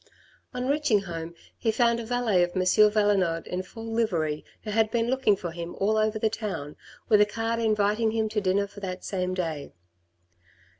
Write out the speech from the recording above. On reaching home he found a valet of M. Valenod in full livery who had been looking for him all over the town, with a card inviting him to dinner for that same day.